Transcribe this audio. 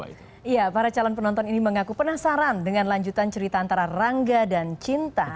iya para calon penonton ini mengaku penasaran dengan lanjutan cerita antara rangga dan cinta